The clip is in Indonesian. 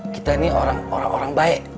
kita ini orang orang baik